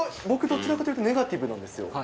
僕、どちらかというとネガティブなんですよ。